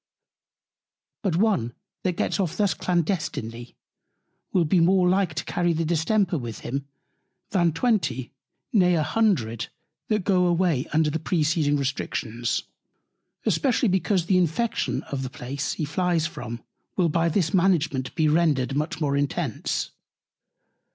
But one that gets off thus clandestinely, will be more like to carry the Distemper with him, than twenty, nay a hundred, that go away under the preceding Restrictions: Especially because the Infection of the Place, he flies from, will by this Management be rendered much more intense.